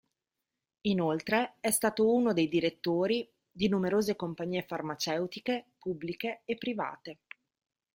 Inoltre, è stato uno dei direttori di numerose compagnie farmaceutiche pubbliche e private.